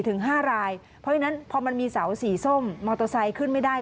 ถึง๕รายเพราะฉะนั้นพอมันมีเสาสีส้มมอเตอร์ไซค์ขึ้นไม่ได้